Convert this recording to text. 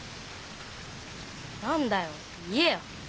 何だよ言えよ。